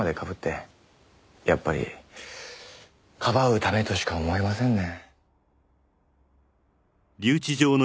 やっぱりかばうためとしか思えませんね。